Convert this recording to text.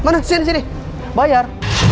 nah sini sini bayar